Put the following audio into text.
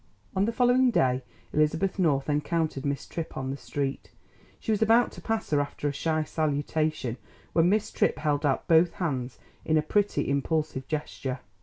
On the following day Elizabeth North encountered Miss Tripp on the street. She was about to pass her after a shy salutation, when Miss Tripp held out both hands in a pretty, impulsive gesture.